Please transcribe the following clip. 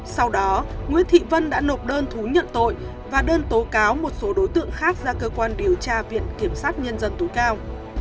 sau đó nguyễn thị vân đã nộp đơn thú nhận tội và đơn tố cáo một số đối tượng khác ra cơ quan điều tra viện kiểm sát nhân dân tối cao